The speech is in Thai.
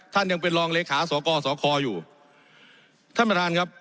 ท่านยังเป็นรองเลขาสกสคอยู่ท่านประธานครับ